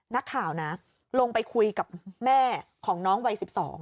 นักข่าวนะลงไปคุยกับแม่ของน้องวัย๑๒